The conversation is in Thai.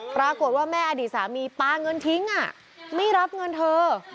ปรากฏว่าแม่อดีตสามีปลาเงินทิ้งไม่รับเงินเธอ